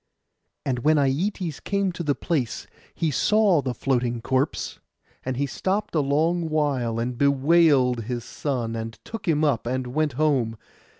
And when Aietes came to the place he saw the floating corpse; and he stopped a long while, and bewailed his son, and took him up, and went home.